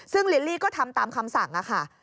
ซึ่งลิลลี่ก็ทำตามคำสั่งค่ะ